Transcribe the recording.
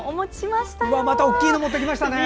また大きいのを持ってきましたね。